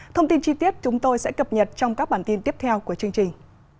thông tin chi tiết chúng tôi sẽ cập nhật trong các bản tin tiếp theo của chương trình